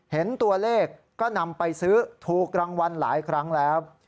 เห็นตัวเลขก็นำไปซื้อถูกรางวัลหลายครั้งแล้ว